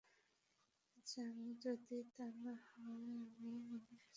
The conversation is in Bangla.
যদি তা না হয়, আমিও মনে কিছু করবো না।